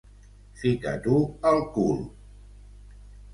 Fica-t'ho al cul!